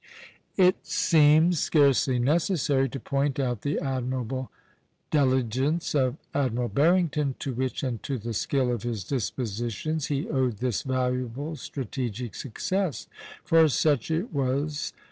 It seems scarcely necessary to point out the admirable diligence of Admiral Barrington, to which and to the skill of his dispositions he owed this valuable strategic success; for such it was.